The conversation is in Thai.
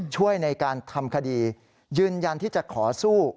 ช่วยในการทำคดียืนยันที่จะขอสู้